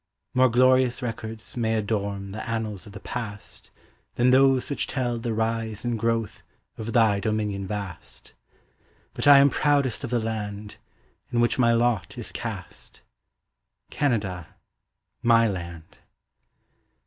More glorious records may adorn The annals of the past Than those which tell the rise and growth Of thy dominion vast; But I am proudest of the land In which my lot is cast, Canada, my land.